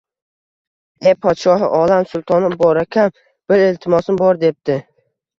Ey, podshohi olam, sultoni bokaram, bir iltimosim bor, debdi